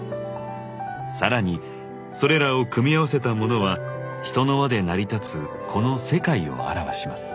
更にそれらを組み合わせたものは人の輪で成り立つこの世界を表します。